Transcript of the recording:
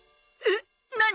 えっ何？